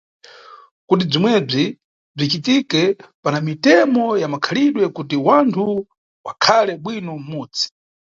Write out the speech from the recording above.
Kuti bzimwebzi bzicitike pana mitemo ya makhalidwe kuti wanthu wakhale bwino mʼmudzi.